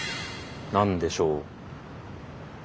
何でしょう？